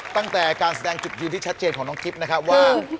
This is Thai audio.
ตั้งแต่การแสดงจุดยืนที่ชัดเจนของน้องกิ๊บนะครับว่า